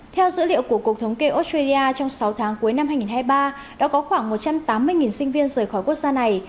theo dữ liệu của cục thống kê australia trong sáu tháng cuối năm hai nghìn hai mươi ba đã có khoảng một trăm tám mươi sinh viên rời khỏi quốc gia này